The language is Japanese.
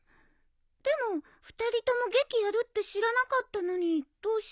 でも２人とも劇やるって知らなかったのにどうして？